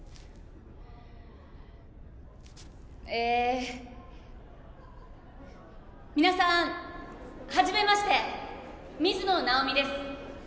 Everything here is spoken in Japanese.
えっ皆さんはじめまして水野直美です